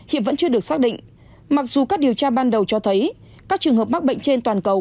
hiện vẫn chưa được xác định mặc dù các điều tra ban đầu cho thấy các trường hợp mắc bệnh trên toàn cầu